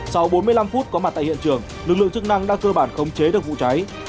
sau bốn mươi năm phút có mặt tại hiện trường lực lượng chức năng đã cơ bản khống chế được vụ cháy